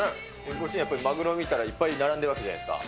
ご主人、やっぱりマグロ見たらいっぱい並んでいるわけじゃないですか。